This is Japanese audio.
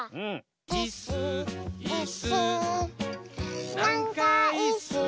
「いっすーいっすーなんかいっすー」